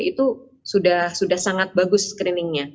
itu sudah sangat bagus screeningnya